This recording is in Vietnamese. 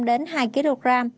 đến hai kg